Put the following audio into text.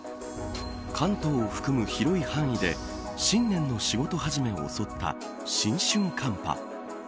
関東を含む広い範囲で新年の仕事始めを襲った新春寒波。